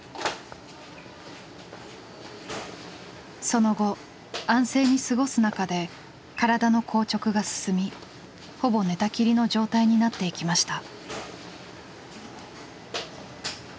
その後安静に過ごす中で体の硬直が進みほぼ寝たきりの状態になっていきました。